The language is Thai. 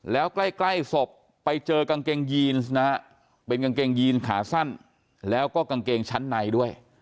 แล้วใกล้ศพไปเจอกางเกงยีนนะฮะเป็นกางเกงยีนขาสั้นแล้วก็กางเกงชั้นในด้วย